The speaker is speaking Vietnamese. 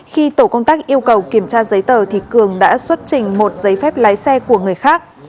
khi tổ công tác yêu cầu kiểm tra giấy tờ cường đã xuất trình một giấy phép lái xe của người khác